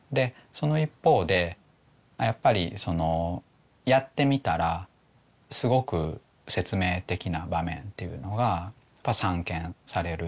その一方でやっぱりやってみたらすごく説明的な場面っていうのがやっぱ散見される。